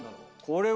これ。